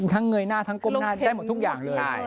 เงยหน้าทั้งก้มหน้าได้หมดทุกอย่างเลย